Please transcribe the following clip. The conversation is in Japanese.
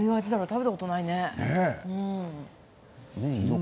食べたことないね。